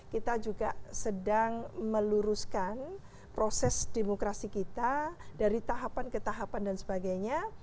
kita juga sedang meluruskan proses demokrasi kita dari tahapan ke tahapan dan sebagainya